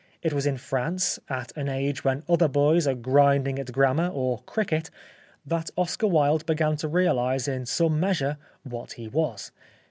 It was in France, at an age when other boys are grinding at grammar or cricket, that Oscar Wilde began to realise in some measure what he was.